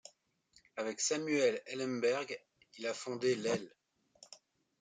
Avec Samuel Eilenberg, il a fondé l'.